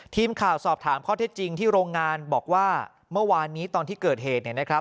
ทีมข่าวสอบถามข้อเท็จจริงที่โรงงานบอกว่าเมื่อวานนี้ตอนที่เกิดเหตุเนี่ยนะครับ